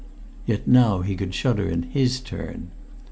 Yet now he could shudder in his turn.